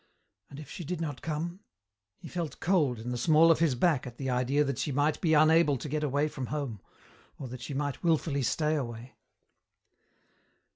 And if she did not come? He felt cold in the small of his back at the idea that she might be unable to get away from home or that she might wilfully stay away.